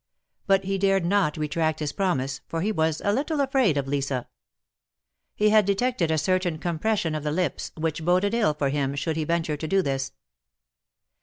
But he dared not retract his pro mise, for he was a little afraid of Lisa. He had detected a certain compression of the lips, which boded ill for him should he venture to do this.